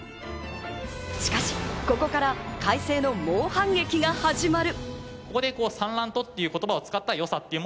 しかし、ここから開成の猛反撃が始まる。